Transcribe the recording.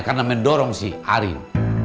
karena mendorong si harim